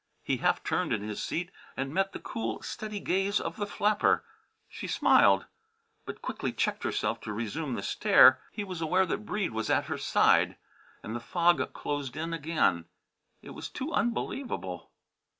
He half turned in his seat and met the cool, steady gaze of the flapper; she smiled, but quickly checked herself to resume the stare; he was aware that Breede was at her side. And the fog closed in again. It was too unbelievable.